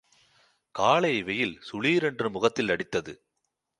காலை வெயில் சுளீரென்று முகத்தில் அடித்தது.